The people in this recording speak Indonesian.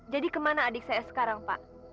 jadi kemana adik saya sekarang pak